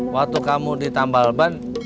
waktu kamu ditambal ban